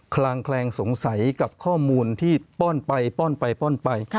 คลางแคลงสงสัยกับข้อมูลที่ป้อนไปป้อนไปป้อนไป